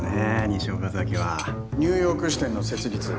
西岡崎はニューヨーク支店の設立